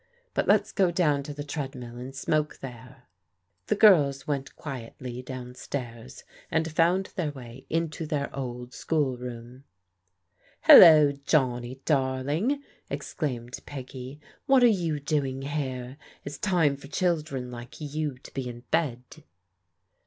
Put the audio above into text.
But let's go down to the ' Treadmill/ and smoke there," The girls went quietly down stairs^ and foimd their way into their old schoolroom. "Hello, Johnny darling," exclaimed Peggy. "What are you doing here? It's time for children like you to be in bed."